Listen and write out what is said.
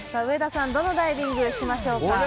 上田さんはどのダイビングにしましょうか。